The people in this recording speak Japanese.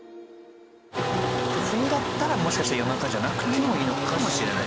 冬だったらもしかして夜中じゃなくてもいいのかもしれない。